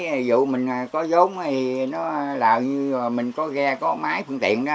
ví dụ mình có giống thì nó là như mình có ghe có máy phân tiện đó